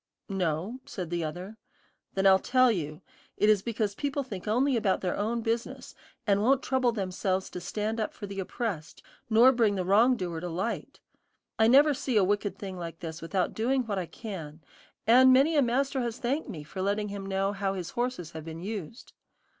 "No," said the other. "Then I'll tell you. It is because people think only about their own business, and won't trouble themselves to stand up for the oppressed, nor bring the wrong doer to light. I never see a wicked thing like this without doing what I can, and many a master has thanked me for letting him know how his horses have been used."